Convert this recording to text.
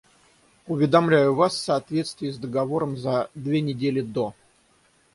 Уведомляю вас в соответствии с договором за две недели до.